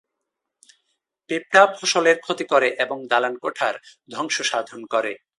পিঁপড়া ফসলের ক্ষতি করে এবং দালান-কোঠার ধ্বংস সাধন করে।